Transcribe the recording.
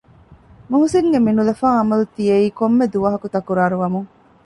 މުހްސިނުގެ މިނުލަފާ އަމަލު ދިޔައީ ކޮންމެ ދުވަހަކު ތަކުރާރު ވަމުން